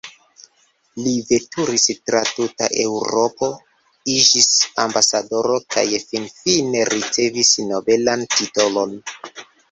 Li veturis tra tuta Eŭropo, iĝis ambasadoro kaj finfine ricevis nobelan titolon.